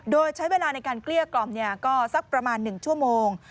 โดยใช้เวลาในการเกลี้ยกล่อมก็สักประมาณ๑ชั่วโมง